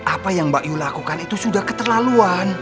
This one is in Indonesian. apa yang bakyu lakukan itu sudah keterlaluan